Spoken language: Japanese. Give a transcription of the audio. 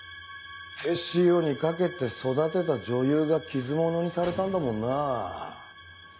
手塩にかけて育てた女優が傷物にされたんだもんな。